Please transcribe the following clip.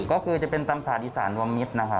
ก็คือจะเป็นตำถาธิสารลวมมิด